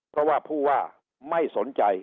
เพราะว่าผู้ว่าไม่สนใจ